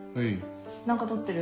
何か撮ってる？